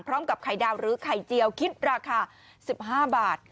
พร้อมกับไข่ดาวหรือไข่เจียวคิดราคา๑๕บาท